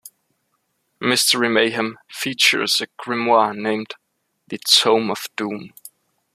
Mystery Mayhem" features a grimoire named "The Tome of Doom".